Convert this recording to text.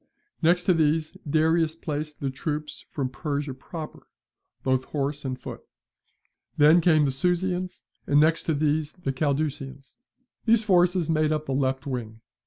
Next to these Darius placed the troops from Persia proper, both horse and foot. Then came the Susians, and next to these the Cadusians. These forces made up the left wing.